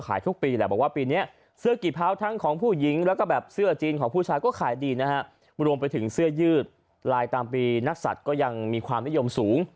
มาดูประเพณีของจีนอะไรแบบเนี้ยครับผม